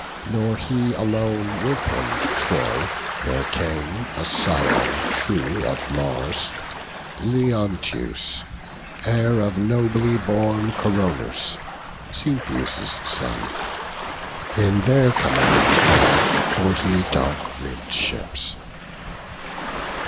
Nor he alone; with him to Troy there came A scion true of Mars, Leonteus, heir Of nobly born Coronus, Caeneus' son. In their command came forty dark ribb'd ships.